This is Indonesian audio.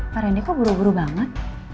pak rendy kok buru buru banget